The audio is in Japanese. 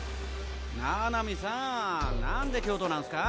七海さんなんで京都なんすか？